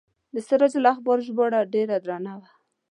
د سراج الاخبار ژباړه ډیره درنه وه.